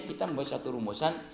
kita membuat satu rumusan